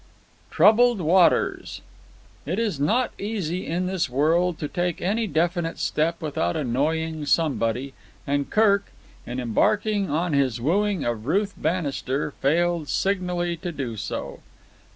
Troubled Waters It is not easy in this world to take any definite step without annoying somebody, and Kirk, in embarking on his wooing of Ruth Bannister, failed signally to do so.